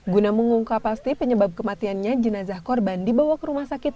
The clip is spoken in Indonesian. guna mengungkap pasti penyebab kematiannya jenazah korban dibawa ke rumah sakit